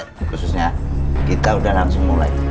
khususnya kita sudah langsung mulai